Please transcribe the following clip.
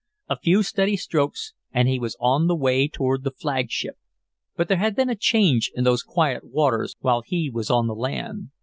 A few steady strokes and he was on the way toward the flagship. But there had been a change in those quiet waters while he was on the land.